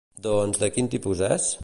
Doncs, de quin tipus és?